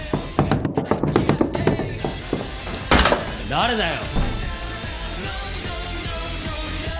誰だよ？